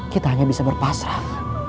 kita hanya bisa berpasrah